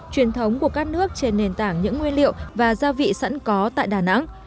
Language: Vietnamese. truyền thống của các nước trên nền tảng những nguyên liệu và gia vị sẵn có tại đà nẵng